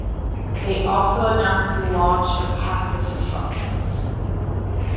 They also announced the launch of Passive Funds.